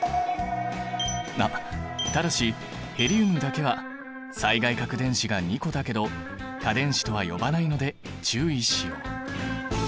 あっただしヘリウムだけは最外殻電子が２個だけど価電子とは呼ばないので注意しよう。